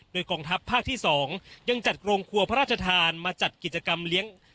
โดยกองทัพภาคที่๒ยังจัดโรงครัวพระราชทานมาจัดกิจกรรมเลี้ยง